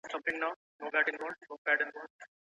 د هلکانو لیلیه بې هدفه نه تعقیبیږي.